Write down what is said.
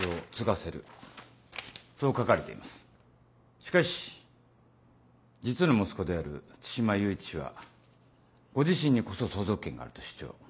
しかし実の息子である津島雄一氏はご自身にこそ相続権があると主張。